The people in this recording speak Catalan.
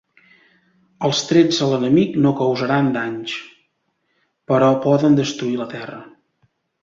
Els trets a l'enemic no causaran danys, però poden destruir la terra.